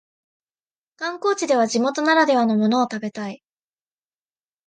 観光地では地元ならではのものを食べたい